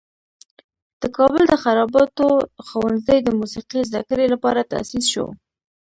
د کابل د خراباتو ښوونځی د موسیقي زده کړې لپاره تاسیس شو.